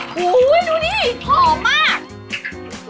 โหดูดิหอมมาก